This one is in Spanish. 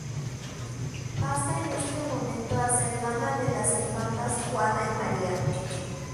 Pasa en este momento a ser dama de las infantas Juana y María.